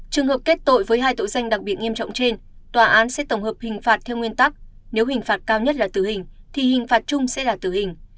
trường hợp kết tội với hai tội danh đặc biệt nghiêm trọng trên tòa án sẽ tổng hợp hình phạt theo nguyên tắc nếu hình phạt cao nhất là tử hình thì hình phạt chung sẽ là tử hình